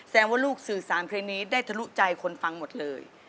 ว่าลูกสื่อสารเพลงนี้ได้ทะลุใจคนฟังหมดเลย